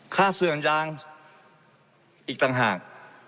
เสื่อมยางอีกต่างหาก